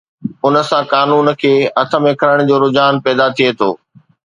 ان سان قانون کي هٿ ۾ کڻڻ جو رجحان پيدا ٿئي ٿو.